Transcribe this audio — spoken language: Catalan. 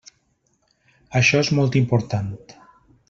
Això és molt important.